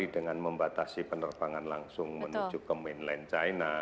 dengan membatasi penerbangan langsung menuju ke mainland china